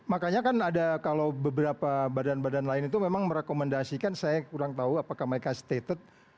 makanya kan ada kalau beberapa badan badan lain itu memang merekomendasikan saya kurang tahu apakah mereka stated